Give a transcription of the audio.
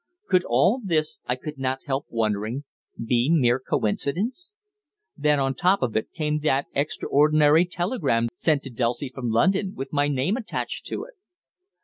Could all this, I could not help wondering, be mere coincidence? Then on the top of it came that extraordinary telegram sent to Dulcie from London, with my name attached to it.